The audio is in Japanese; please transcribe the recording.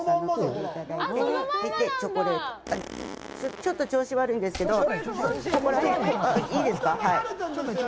ちょっと調子悪いんですけど、いいですか？